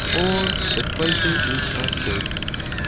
53. pleasure is not good.